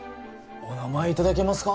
お名前いただけますか？